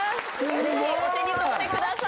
ぜひお手に取ってください